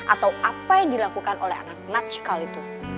atau apa yang dilakukan oleh anak anak cikal itu